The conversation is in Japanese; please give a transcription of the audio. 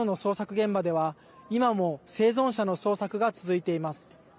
現場では今も生存者の捜索が続いています。